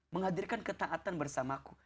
menghadirkan ketaatan bersamaku